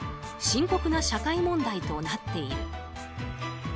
深刻な社会問題となっている。